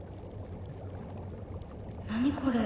何これ？